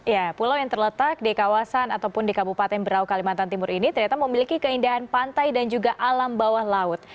ya pulau yang terletak di kawasan ataupun di kabupaten berau kalimantan timur ini ternyata memiliki keindahan pantai dan juga alam bawah laut